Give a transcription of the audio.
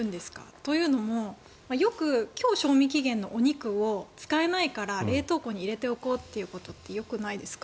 というのも今日、賞味期限のお肉を使えないから冷凍庫に入れておこうってよくないですか？